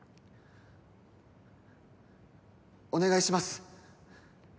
お願いします